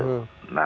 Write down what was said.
nah saya berpikir